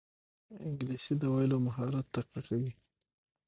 انګلیسي د ویلو مهارت تقویه کوي